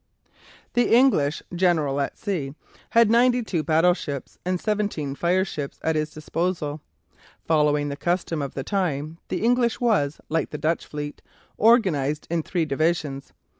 The English "general at sea" had ninety two battleships and seventeen fireships at his disposal. Following the custom of the time, the English was, like the Dutch fleet, organized in three divisions.